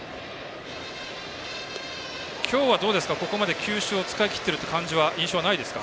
今日は、ここまで球種を使い切ってるという印象はないですか？